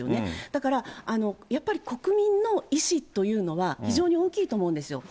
だからやっぱり国民の意思というのは非常に大きいと思うんですよ。